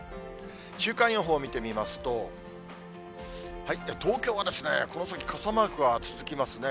週間予報を見てみますと、東京はこの先、傘マークが続きますね。